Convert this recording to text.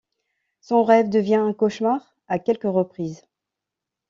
Son rêve devient un cauchemar à quelques reprises.